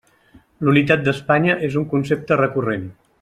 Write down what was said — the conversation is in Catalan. La unitat d'Espanya és un concepte recurrent.